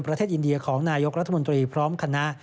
ประเทศอินเดียของนายกรัฐมนตรีพร้อมคณะ